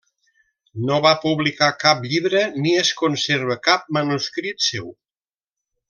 No va publicar cap llibre ni es conserva cap manuscrit seu.